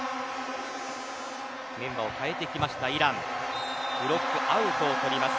メンバーを変えてきましたイランブロックアウトを取ります。